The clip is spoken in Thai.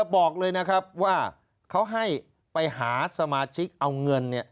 บอกเลยนะครับว่าเขาให้ไปหาสมาชิกเอาเงิน